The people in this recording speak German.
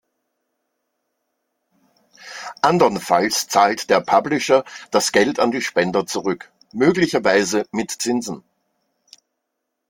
Andernfalls zahlt der Publisher das Geld an die Spender zurück, möglicherweise mit Zinsen.